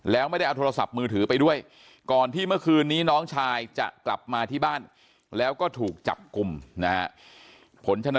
แล้วไม่ได้เอาโทรศัพท์มือถือไปด้วยก่อนที่เมื่อคืนนี้น้องชายจะกลับมาที่บ้านแล้วก็ถูกจับกลุ่มนะฮะ